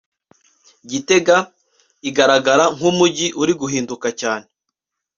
Gitega igaragara nk’umujyi uri guhinduka cyane